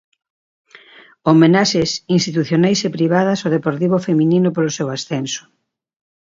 Homenaxes institucionais e privadas ao Deportivo feminino polo seu ascenso.